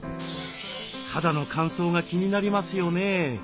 肌の乾燥が気になりますよね。